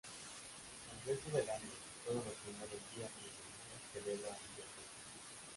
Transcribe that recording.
El resto del año, todos los primeros viernes del mes celebra un via-crucis.